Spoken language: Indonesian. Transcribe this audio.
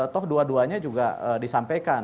toh dua duanya juga disampaikan